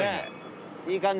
いい感じ。